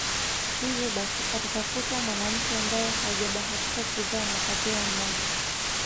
Hivyo basi atatafutwa mwanamke ambaye hajabahatika kuzaa na atapewa mmoja